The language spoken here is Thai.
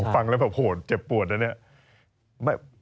ฟังแล้วแบบโหดเจ็บปวดนะเนี่ย